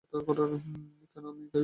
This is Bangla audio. কেন আমিই-বা কী অপরাধ করেছি।